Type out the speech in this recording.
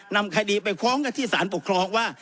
นำคดีไปฟ้องกันที่สารปกครองว่า